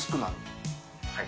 はい。